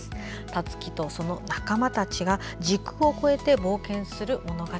たつきと、その仲間たちが時空を超えて冒険する物語。